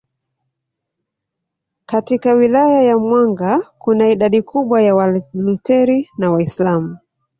Katika Wilaya ya Mwanga kuna idadi kubwa ya Waluteri na Waislamu